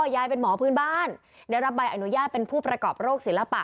ยายเป็นหมอพื้นบ้านได้รับใบอนุญาตเป็นผู้ประกอบโรคศิลปะ